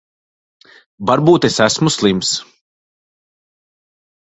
Varbūt es esmu slims.